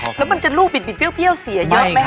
แล้วมันจะลูกบิดเสียเยอะไหมครับ